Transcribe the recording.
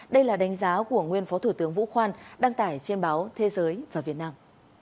đây là đánh giá của nguyên phó thủ tướng vũ khoan đăng tải trên báo thế giới và việt nam